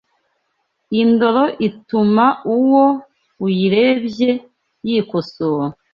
Indoro ituma uwo uyirebye yikosora